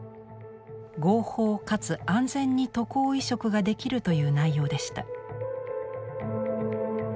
合法かつ安全に渡航移植ができるという内容でした。